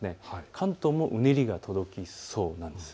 関東もうねりが届きそうなんです。